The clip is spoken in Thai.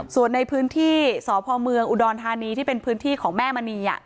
ส่วนในพื้นที่สพเมืองอุดรธานีที่เป็นพื้นที่ของแม่มณี